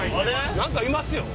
何かいますよ。